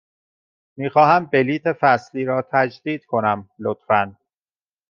می خواهم بلیط فصلی را تجدید کنم، لطفاً.